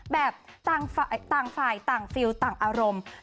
แบบต่างฝ่ายต่างฟิลต่างอารมณ์